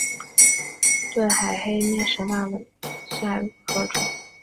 钝叶黑面神为大戟科黑面神属下的一个种。